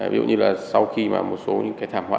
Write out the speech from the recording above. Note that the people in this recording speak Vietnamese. ví dụ như là sau khi mà một số những cái thảm họa